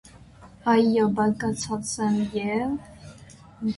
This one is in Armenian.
- Այո, բարկացած եմ և…